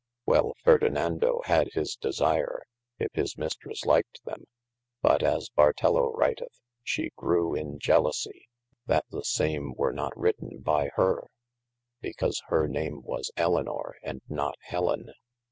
Well Ferdinando had his desire, yf his Mistresse lyked them, but as Bartello writeth, shee grewe in jelousie, that the same were not written by hir, because hir name was Elynor and not Hellen.